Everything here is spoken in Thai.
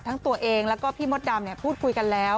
ทั้งตัวเองแล้วก็พี่มดดำพูดคุยกันแล้ว